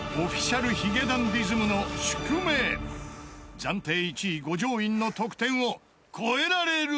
［暫定１位五条院の得点を超えられるか］